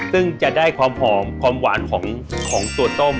ซึ่งจะได้ความหอมความหวานของตัวต้ม